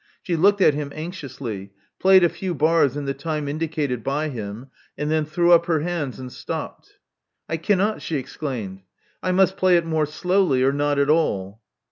She looked at him anxiously; played a few bars in the time indicated by him ; and then threw up her hands and stopped. I cannot," she exclaimed. I must play it more slowly or not at all.